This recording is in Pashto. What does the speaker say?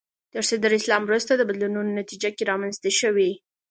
تر صدر اسلام وروسته بدلونونو نتیجه کې رامنځته شوي